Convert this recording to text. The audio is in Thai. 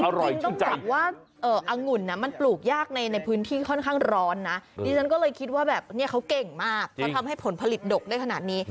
จริงต้องกลับว่าอังุ่นมันปลูกยากในพื้นที่ค่อนข้างร้อนนะดิฉันก็เลยคิดว่าแบบเนี่ยเขาเก่งมากเขาทำให้ผลผลิตดกได้ขนาดนี้